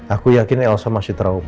aku yakin ilsa masih trauma